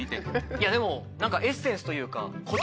いやでもなんかエッセンスというか。